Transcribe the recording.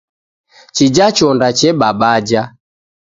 Chija chonda chebabaja.